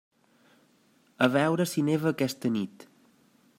A veure si neva aquesta nit.